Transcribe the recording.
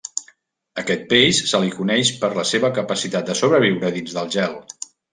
A aquest peix se li coneix per la seva capacitat de sobreviure dins del gel.